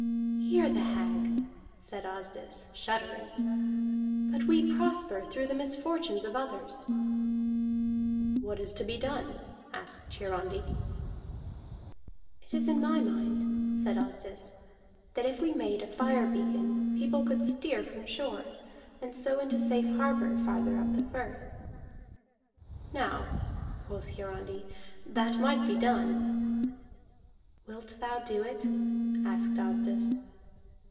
"Hear the hag," said Asdis, shuddering. "But we prosper through the misfortunes of others." "What is to be done?" asked Hiarandi. "It is in my mind," said Asdis, "that if we made a fire beacon, people could steer from shore and so into safe harbor farther up the firth." "Now," quoth Hiarandi, "that might be done." "Wilt thou do it?" asked Asdis.